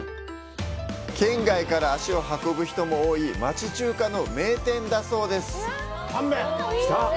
県外から足を運ぶ人も多い、町中華の名店だそうです。